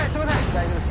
大丈夫です。